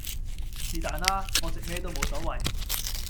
是但啦！我食咩都無所謂